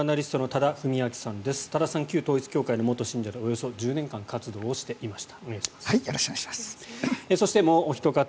多田さん、旧統一教会の元信者でおよそ１０年間活動をしていました。